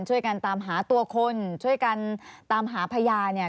ช่วยกันตามหาตัวคนช่วยกันตามหาพญาเนี่ย